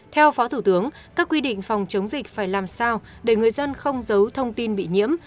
theo phó thủ tướng các quy định phòng chống dịch phải làm sao để người dân không giấu thông tin bị nhiễm